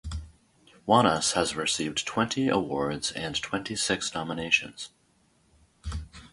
Juanes has received twenty awards and twenty-six nominations.